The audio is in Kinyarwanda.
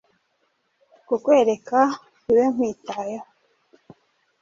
kukwereka bike nkwitayeho